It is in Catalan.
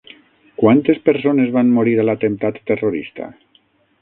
Quantes persones van morir a l'atemptat terrorista?